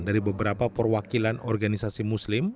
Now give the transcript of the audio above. dari beberapa perwakilan organisasi muslim